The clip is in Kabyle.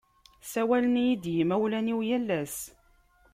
Sawalen-iyi-d imawlan-iw yal ass.